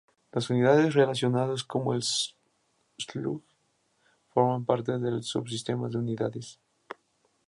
Las unidades relacionadas, como el slug, forman parte de sub-sistemas de unidades.